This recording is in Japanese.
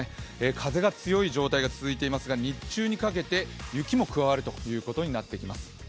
風が強い状態が続いていますが日中にかけて雪も加わるということになってきます。